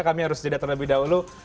kami harus jeda terlebih dahulu